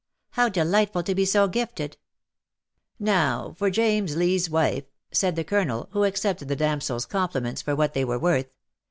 '' How delightful to be so gifted." 125 '' Now for ^ James Lee^s Wife/ '^ said the Colonel,, who accepted the damsel's compliments for what they were worth.